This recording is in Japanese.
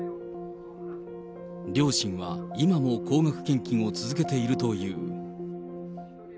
両親は今も高額献金を続けているという。